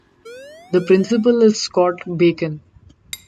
The principal is Scott Bacon.